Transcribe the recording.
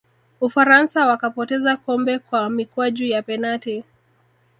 ufaransa wakapoteza kombe kwa mikwaju ya penati